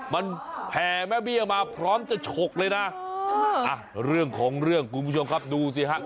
มันแผ่แม่เบี้ยมาพร้อมจะฉกเลยนะเรื่องของเรื่องคุณผู้ชมครับดูสิฮะ